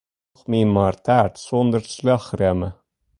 Doch my mar taart sûnder slachrjemme.